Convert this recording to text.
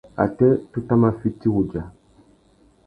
Atê, tu tà mà fiti wudja.